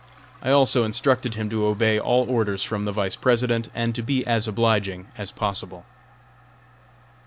I also instructed him to obey all orders from the Vice President, and to be as obliging as possible.